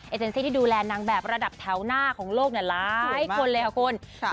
เซนซี่ที่ดูแลนางแบบระดับแถวหน้าของโลกหลายคนเลยค่ะคุณ